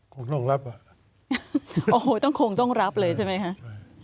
คงต้องรับอ่ะโอ้โหต้องคงต้องรับเลยใช่ไหมคะ